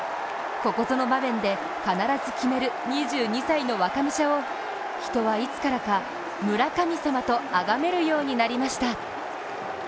ここぞの場面で必ず決める２２歳の若武者を人はいつからか村神様とあがめるようになりました。